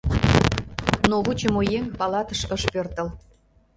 Но вучымо еҥ палатыш ыш пӧртыл.